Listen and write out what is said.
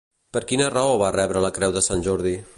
Per quina raó va rebre la Creu de Sant Jordi?